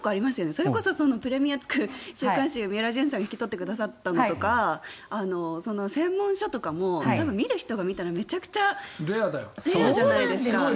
それこそそのプレミアがつく週刊誌みうらじゅんさんが引き取ってくれたのとか専門書とかも見る人が見たらめちゃくちゃレアじゃないですか。